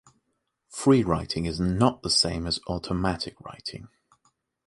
Free writing is not the same as automatic writing.